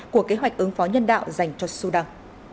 của kế hoạch ứng phó nhân đạo dành cho sudan